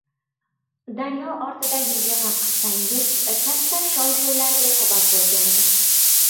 – “Daryo ortidagi yig‘i” qissangiz katta shov-shuvlarga sabab bo‘lgandi.